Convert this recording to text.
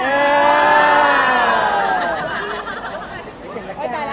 ดีจริงนะคะ